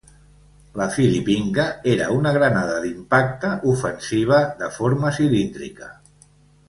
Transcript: La "Filipinka" era una granada d'impacte ofensiva, de forma cilíndrica.